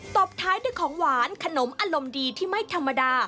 ตบท้ายด้วยของหวานขนมอารมณ์ดีที่ไม่ธรรมดา